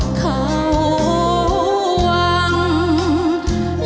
ก็คืออารดิเนาะ